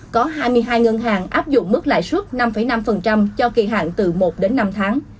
có hai mươi hai ngân hàng áp dụng mức lãi suất năm năm cho kỳ hạn từ một đến năm tháng